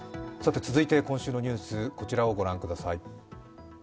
続いて、今週のニュース、こちらを御覧ください。